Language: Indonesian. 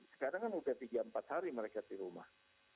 sekarang kan sudah tiga empat hari mereka di rumah